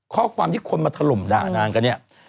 ข้อความที่คนมาถล่มด่านางกันเนี่ย